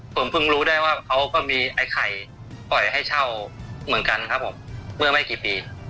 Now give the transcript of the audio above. ผมเพิ่งรู้ได้ว่าเขาก็มีไอ้ไข่ปล่อยให้เช่าเหมือนกันครับผมเมื่อไม่กี่ปี